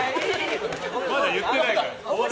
まだ言ってないから。